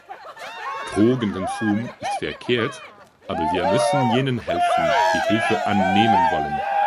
Drogenkonsum ist verkehrt, aber wir müssen jenen helfen, die Hilfe annehmen wollen.